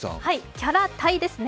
「キャラ大」ですね。